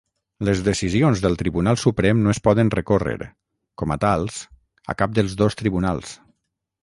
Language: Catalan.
Les decisions del Tribunal Suprem no es poden recórrer, com a tals, a cap dels dos tribunals.